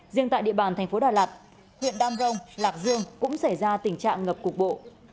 riêng tại địa bàn thành phố đà lạt huyện đam rông lạc dương cũng xảy ra tình trạng ngập cục bộ